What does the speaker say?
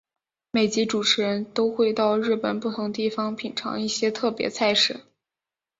每集主持人都会到日本不同地方品尝一些特别菜式。